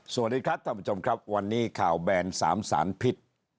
สวัสดีครับท่านผู้ชมครับวันนี้ข่าวแบน๓สารพิษ